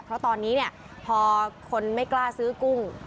เพราะตอนนี้เนี่ยพอคนไม่กล้าซื้อกุ้ง